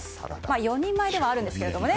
４人前ではあるんですけどもね。